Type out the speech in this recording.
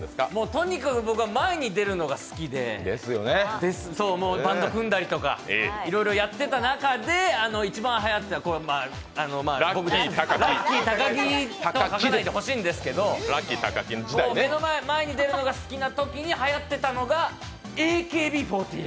とにかく僕は前に出るのが好きでバンド組んだりとかいろいろやってた中で一番はやっていた、Ｒｕｃｋｙたかきなんですけど人の前に出るのが好きなときにはやっていたのがＡＫＢ４８。